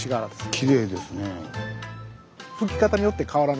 きれいですね。